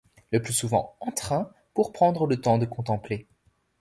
Le plus souvent en train, pour prendre le temps de contempler.